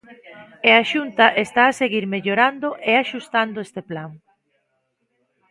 E a Xunta está a seguir mellorando e axustando este plan.